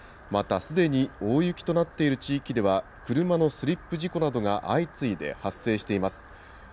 また、すでに大雪となっている地域では、車のスリップ事故などが相次いで発生しています。